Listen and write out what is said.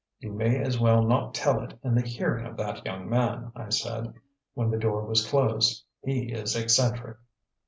"You may as well not tell it in the hearing of that young man," I said, when the door was closed. "He is eccentric."